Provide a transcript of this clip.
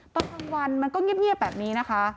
ตอนกลางวันมันก็เงียบแบบนี้นะคะ